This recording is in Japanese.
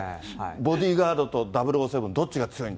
ボディガードとか００７、どっちが強いんだ？